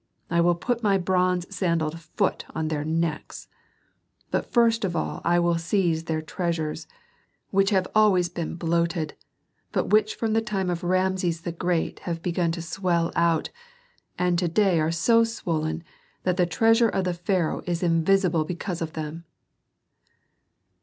I will put my bronze sandalled foot on their necks. But first of all I will seize their treasures, which have always been bloated, but which from the time of Rameses the Great have begun to swell out, and to day are so swollen that the treasure of the pharaoh is invisible because of them."